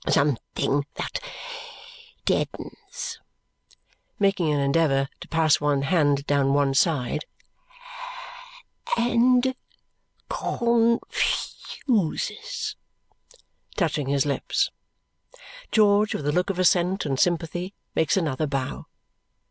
Something that deadens," making an endeavour to pass one hand down one side, "and confuses," touching his lips. George, with a look of assent and sympathy, makes another bow.